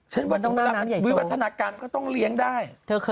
ฉันขอคิดวิวัฒนาการก็ต้องเลี้ยงได้